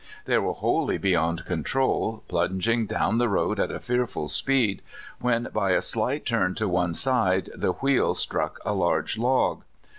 They were wholly be yond control, plunging down the road at a fearful speed, when, by a slight turn to one side, the wheel struck a large log.